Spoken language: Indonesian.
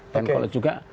dan kalau juga